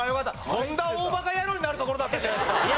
とんだ大バカ野郎になるところだったじゃないですか。